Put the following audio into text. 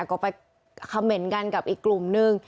ก็ไปเขม่นกันกับอีกกลุ่มนึง